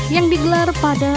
yang digelar pembangunan